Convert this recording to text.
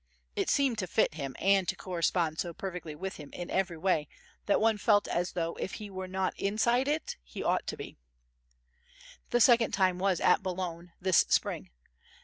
It seemed to fit him and to correspond so perfectly with him in every way that one felt as though if he were not inside it he ought to be. The second time was at Boulogne this spring.